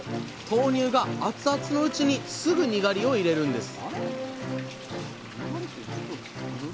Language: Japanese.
豆乳が熱々のうちにすぐにがりを入れるんです